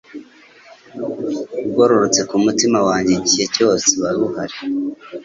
Ugororotse ku mutima wanjye Igihe cyose wari uhari